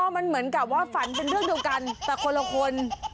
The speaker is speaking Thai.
มันเหมือนกับว่าฝันเป็นเรื่องเดียวกันแต่คนละคน